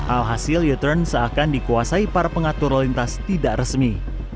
alhasil u turn seakan dikuasai para pengatur lalu lintas tidak resmi